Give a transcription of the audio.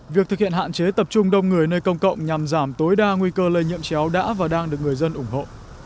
việc thực hiện hạn chế tập trung đông người nơi công cộng nhằm giảm tối đa nguy cơ lây nhiễm chéo đã và đang được người dân ủng hộ